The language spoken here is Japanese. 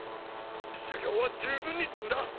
修行は十分に積んだ。